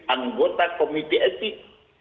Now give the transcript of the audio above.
anggota komite etik